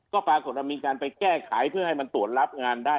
ก็ปรากฏว่ามีการไปแก้ไขเพื่อให้มันตรวจรับงานได้